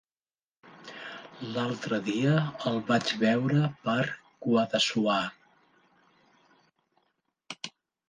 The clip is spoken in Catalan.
L'altre dia el vaig veure per Guadassuar.